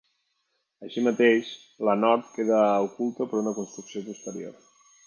Així mateix, la nord queda oculta per una construcció posterior.